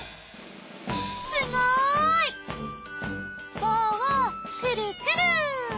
すごい！棒をくるくる！